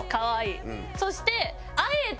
そして。